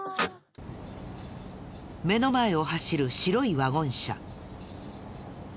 目の前を走る白いワゴン車。